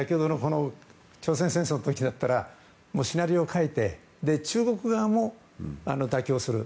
朝鮮戦争の時だったらシナリオを書いて中国側も妥協する。